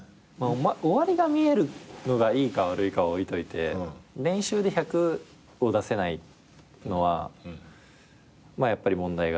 終わりが見えるのがいいか悪いかは置いといて練習で１００を出せないのはやっぱり問題があるので。